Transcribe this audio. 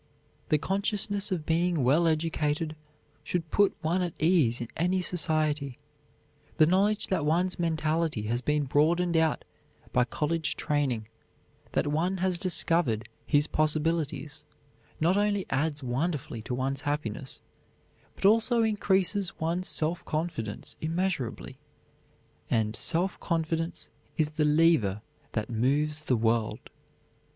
The consciousness of being well educated should put one at ease in any society. The knowledge that one's mentality has been broadened out by college training, that one has discovered his possibilities, not only adds wonderfully to one's happiness, but also increases one's self confidence immeasurably, and self confidence is the lever that moves the world.